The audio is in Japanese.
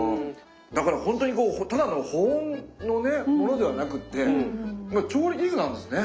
だから本当にただの保温のものではなくって調理器具なんですね。